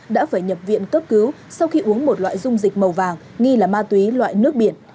đã phải nhập viện cấp cứu sau khi uống một loại dung dịch màu vàng nghi là ma túy loại nước biển